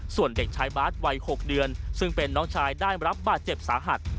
ส่วนเด็กชายบาทวัย๖เดือนซึ่งเป็นน้องชายได้รับบาดเจ็บสาหัส